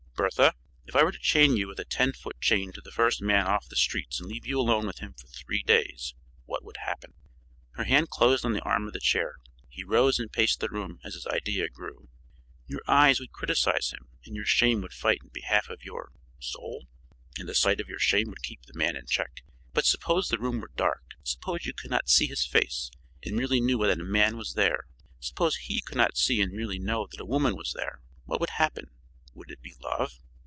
"Bertha, if I were to chain you with a ten foot chain to the first man off the streets and leave you alone with him for three days, what would happen?" Her hand closed on the arm of the chair. He rose and paced the room as his idea grew. "Your eyes would criticize him and your shame would fight in behalf of your soul? And the sight of your shame would keep the man in check. But suppose the room were dark suppose you could not see his face and merely knew that a man was there suppose he could not see and merely knew that a woman was there? What would happen? Would it be love?